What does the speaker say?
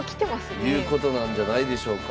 いうことなんじゃないでしょうか。